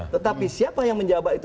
tetapi siapa yang menjabat itu